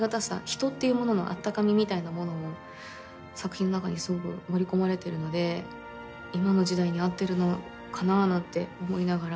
人っていうもののあったかみみたいなものを作品の中にすごく盛り込まれてるので今の時代に合ってるのかななんて思いながら読みました。